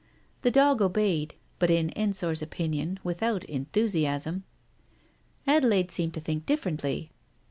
The dog obeyed, but in Ensor's opinion, without enthusiasm. Adelaide seemed to think differently.